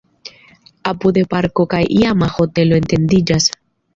Apude parko kaj iama hotelo etendiĝas.